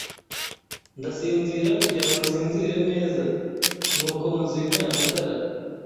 Ndasinzira kugirango nsinzire neza nuko muzimya amatara